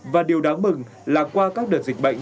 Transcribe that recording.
và điều đáng mừng là qua các đợt dịch bệnh